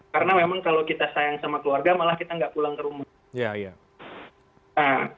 karena memang kalau kita sayang sama keluarga malah kita nggak pulang ke rumah